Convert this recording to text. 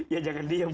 ya jangan diam